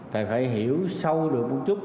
thì phải hiểu sâu được một chút